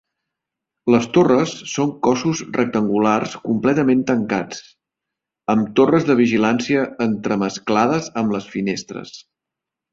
Les torres són cossos rectangulars completament tancats, amb torres de vigilància entremesclades amb les finestres.